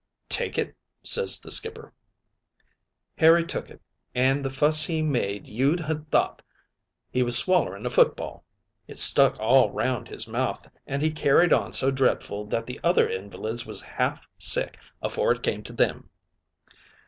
"'Take it,' ses the skipper. "Harry took it, an' the fuss he made you'd ha' thought he was swallering a football. It stuck all round his mouth, and he carried on so dredful that the other invalids was half sick afore it came to them.